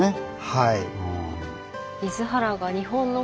はい。